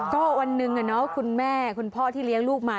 ก็วันหนึ่งคุณแม่คุณพ่อที่เลี้ยงลูกมา